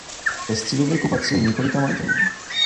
Ve středověku patřily několika majitelům.